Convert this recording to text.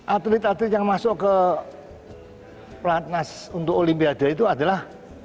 atlet atlet yang masuk ke pelatnas untuk olimpiade itu adalah